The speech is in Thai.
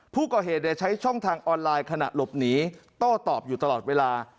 ผู้ก่อเหตุใช้ช่องทางออนไลน์ขณะหลบหนีโต้ตอบอยู่ตลอดเวลา